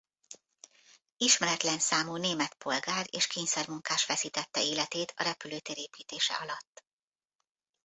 Ismeretlen számú német polgár és kényszermunkás veszítette életét a repülőtér építése alatt.